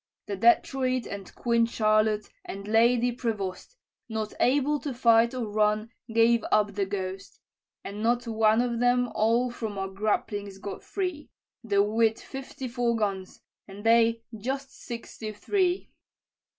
"The Detroit, and Queen Charlotte, and Lady Prevost, Not able to fight or run, gave up the ghost: And not one of them all from our grapplings got free, Though we'd fifty four guns, and they just sixty three.